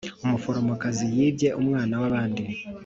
umuforomokazi yibye umwana wabandi